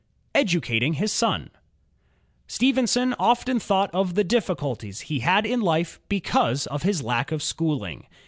Educating his Son Stephenson often thought of the diflSiculties he had in life because of his lack of schooling.